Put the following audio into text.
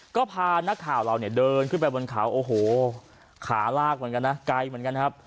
ก็พานักข่าวเราเนี่ยเดินขึ้นไปบนเขาโอ้โหขาลากเหมือนกันนะไกลเหมือนกันครับ